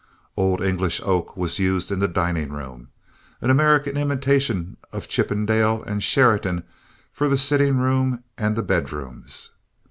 Old English oak was used in the dining room, an American imitation of Chippendale and Sheraton for the sitting room and the bedrooms.